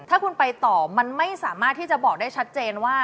ถ้าคุณไปต่อมันไม่สามารถที่จะบอกได้ชัดเจนว่า